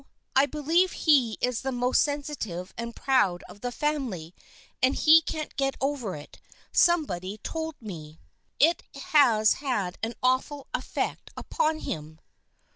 I believe he is the most sensitive and proud of the family, and he can't get over it, some body told me. It has had an awful affect upon him."